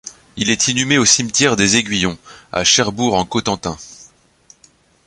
Il est inhumé au Cimetière des Aiguillons à Cherbourg-en-Cotentin.